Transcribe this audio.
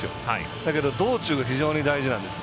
だけど、道中が非常に大事です。